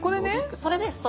それです